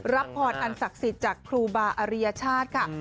รับพรอันศักดิ์สิทธิ์จากครูบาอริยชาติค่ะ